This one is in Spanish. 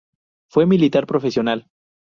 Fue militar profesional.